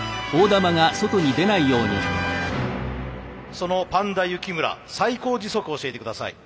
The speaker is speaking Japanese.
そのぱんだ幸村最高時速教えてください。